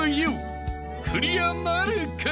［クリアなるか？］